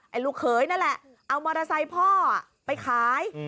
ลูกเขยนั่นแหละเอามอเตอร์ไซค์พ่อไปขาย